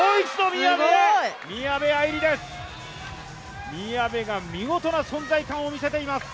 宮部が見事な存在感を見せています！